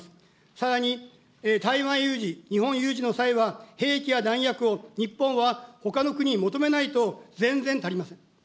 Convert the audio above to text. さらに、台湾有事、日本有事の際は、兵器や弾薬を日本はほかの国に求めないと、全然足りません。